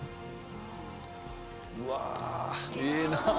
うわええなぁ。